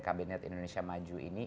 kabinet indonesia maju ini